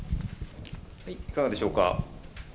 いかがでしょうか。